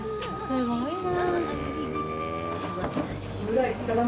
すごいな。